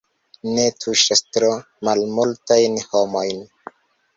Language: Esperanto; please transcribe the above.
Ne, tuŝas tro malmultajn homojn.